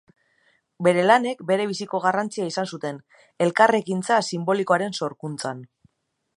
Bere lanek berebiziko garrantzi izan zuten Elkarrekintza sinbolikoaren sorkuntzan.